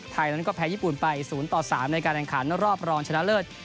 นั้นก็แพ้ญี่ปุ่นไป๐ต่อ๓ในการแข่งขันรอบรองชนะเลิศ